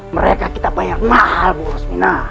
mereka kita bayar mahal bu hospina